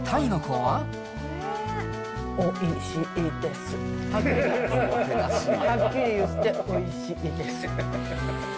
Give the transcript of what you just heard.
はっきり言っておいしいです。